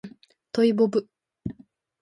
トイボブ